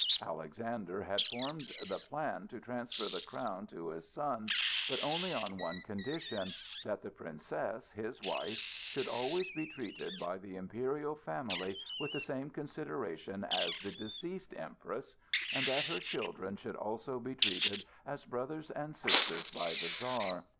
Alexander had formed the plan to transfer the crown to his son, but only on one condition: that the Princess, his wife, should always be treated by the imperial family with the same consideration as the deceased Empress, and that her children should also be treated as brothers and sisters by the Czar.